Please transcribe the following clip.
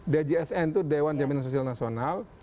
djsn itu dewan jaminan sosial nasional